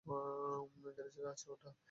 গ্যারেজেই আছে এটা!